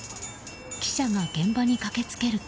記者が現場に駆けつけると。